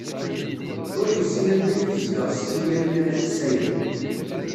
Ur yessin anda ay tezdeɣ Setti Lyamina n At Ḥsayen.